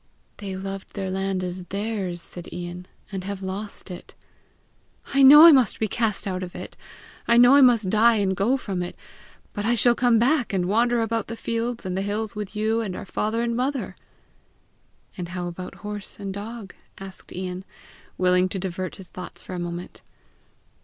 "They loved their land as theirs," said Ian, "and have lost it!" "I know I must be cast out of it! I know I must die and go from it; but I shall come back and wander about the fields and the hills with you and our father and mother!" "And how about horse and dog?" asked Ian, willing to divert his thoughts for a moment.